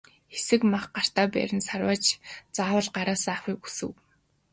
Хэсэг мах гартаа барин сарвайж заавал гараасаа авахыг хүсэв.